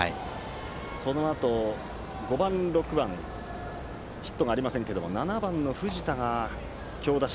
このあと５番、６番にはヒットがありませんが７番の藤田が強打者。